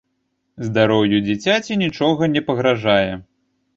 Здароўю дзіцяці нічога не пагражае.